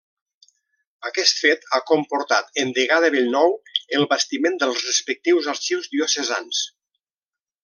Aquest fet ha comportat endegar de bell nou el bastiment dels respectius arxius diocesans.